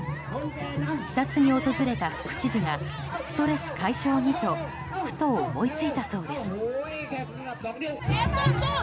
視察に訪れた副知事がストレス解消にとふと思いついたそうです。